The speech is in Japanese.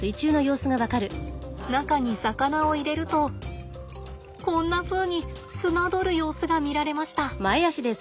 中に魚を入れるとこんなふうに漁る様子が見られました。